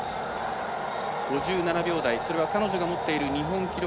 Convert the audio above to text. ５７秒台それは彼女が持っている日本記録